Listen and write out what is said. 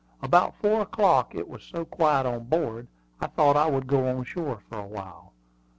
About four o'clock, it was so quiet on board, I thought I would go on shore for a while.